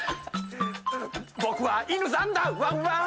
僕は犬さんだ、ワンワン。